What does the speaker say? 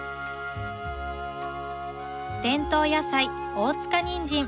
伝統野菜大塚にんじん。